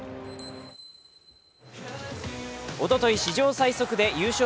おととい、史上最速で優勝